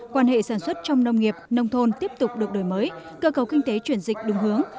quan hệ sản xuất trong nông nghiệp nông thôn tiếp tục được đổi mới cơ cầu kinh tế chuyển dịch đúng hướng